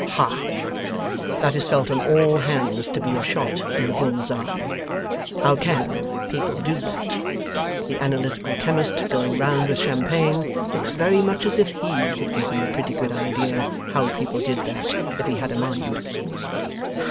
Hah! That is felt on all hands to be a shot in the bull's eye. How CAN people do that! The Analytical Chemist going round with champagne, looks very much as if HE could give them a pretty good idea how people did that, if he had a mind.